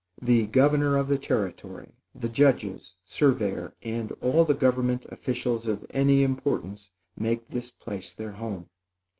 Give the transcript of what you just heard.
The governor of the territory, the judges, surveyor and all the government officials of any importance, make this place their home.